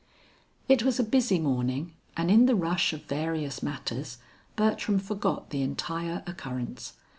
It was a busy morning and in the rush of various matters Bertram forgot the entire occurrence.